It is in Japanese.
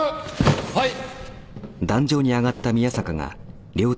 はい。